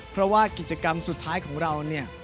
เพราะว่ากิจกรรมสุดท้ายของเราเนี่ย